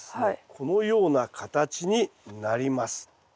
このような形になります。